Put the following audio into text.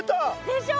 でしょ。